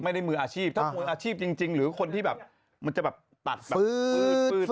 ไม่ได้มืออาชีพถ้ามืออาชีพจริงหรือคนที่มันจะตัดแบบฟืด